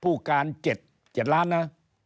ผู้การ๗ล้านนะ